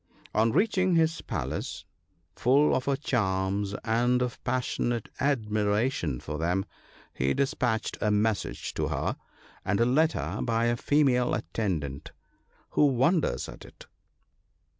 On reaching his palace, full of her charms and of pas sionate admiration for them, he despatched a message to her, and a letter, by a female attendant :— who wonders at it